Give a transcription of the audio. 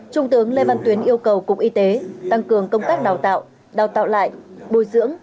trung tướng lê văn tuyến yêu cầu cục y tế tăng cường công tác đào tạo đào tạo lại bồi dưỡng